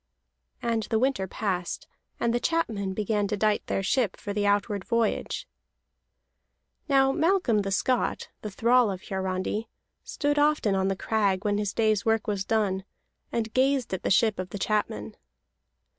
And the winter passed, and the chapmen began to dight their ship for the outward voyage. Now Malcolm the Scot, the thrall of Hiarandi, stood often on the crag when his day's work was done, and gazed at the ship of the chapmen.